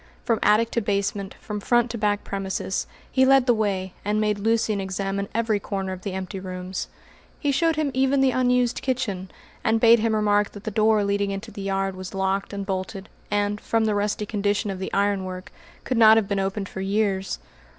From attic to basement, from front to back premises, he led the way, and made Lucian examine every corner of the empty rooms. He showed him even the unused kitchen, and bade him remark that the door leading into the yard was locked and bolted, and, from the rusty condition of the ironwork, could not have been opened for years.